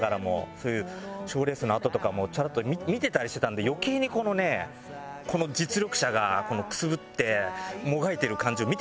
そういう賞レースのあととかもちょろっと見てたりしてたんで余計にこのねこの実力者がくすぶってもがいてる感じを見てたもんで。